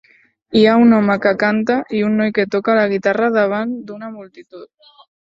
Hi ha un home que canta i un noi que toca la guitarra davant d'una multitud.